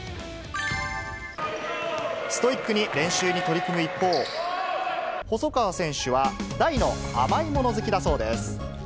ストイックに練習に取り組む一方、細川選手は、大の甘いもの好きだそうです。